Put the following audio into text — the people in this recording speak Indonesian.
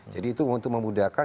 jadi itu untuk memudahkan